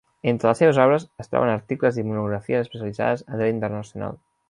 Entre les seves obres es troben articles i monografies especialitzades en dret internacional.